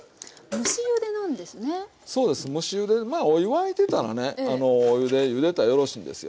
まあお湯沸いてたらねゆでたらよろしいんですよ。